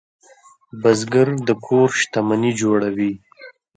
بزګر د کور شتمني جوړوي